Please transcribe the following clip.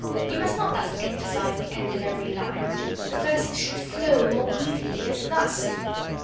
You must not thus emphasise the end of every line; the verses should flow more evenly, as thus...."